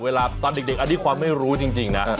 ตอนเด็กอันนี้ความไม่รู้จริงนะ